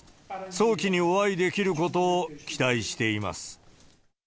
早期にお会いできることを期待しています。